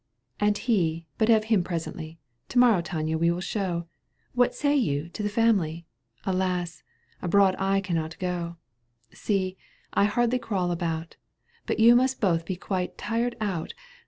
And he — ^but of him presently — To morrow Tania we will, show, What say you ? to the family — Alas ! abroad I cannot go. See, I can hardly crawl about — But you must both be quite tired out